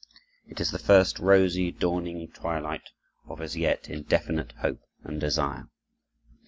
It is the first rosy, dawning twilight of as yet indefinite hope and desire.